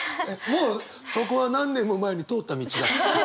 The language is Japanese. もうそこは何年も前に通った道だ。